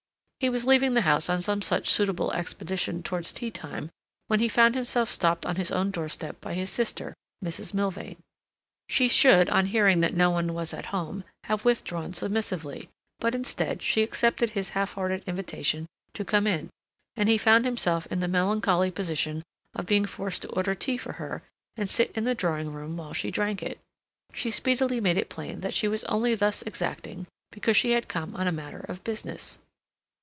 He was leaving the house on some such suitable expedition towards tea time when he found himself stopped on his own doorstep by his sister, Mrs. Milvain. She should, on hearing that no one was at home, have withdrawn submissively, but instead she accepted his half hearted invitation to come in, and he found himself in the melancholy position of being forced to order tea for her and sit in the drawing room while she drank it. She speedily made it plain that she was only thus exacting because she had come on a matter of business.